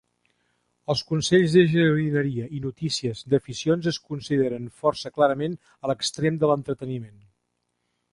Els consells de jardineria i "notícies" d'aficions es consideren força clarament a l'extrem de l'entreteniment.